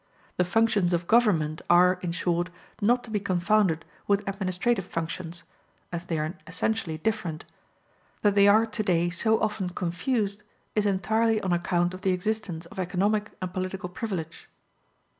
The functions of government are, in short, not to be confounded with administrative functions, as they are essentially different. That they are today so often confused is entirely on account of the existence of economic and political privilege.